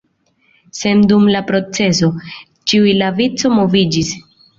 Sed dum la procezo, ĉiu en la vico moviĝis.